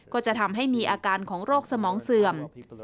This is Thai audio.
ก็จะทำให้มีอาการของโรคสมองเสื่อม